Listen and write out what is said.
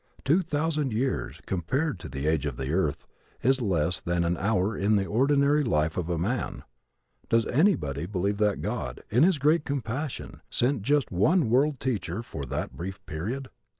Two thousand years, compared to the age of the earth, is less than an hour in the ordinary life of a man. Does anybody believe that God, in his great compassion, sent just one World Teacher for that brief period?